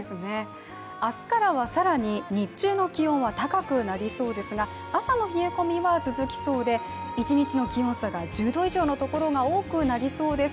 明日からは更に日中の気温は高くなりそうですが朝の冷え込みは続きそうで一日の気温差が１０度以上のところが多くなりそうです。